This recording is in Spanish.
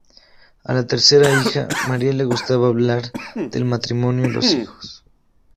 A la tercera hija, María, le gustaba hablar del matrimonio y los hijos.